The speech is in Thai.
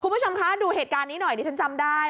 คุณผู้ชมคะดูเหตุการณ์นี้หน่อยดิฉันจำได้